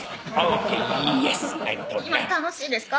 今楽しいですか？